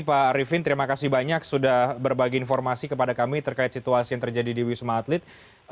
pak arifin terima kasih banyak sudah berbagi informasi kepada kami terkait situasi yang terjadi di wisma atlet